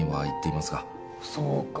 そうか。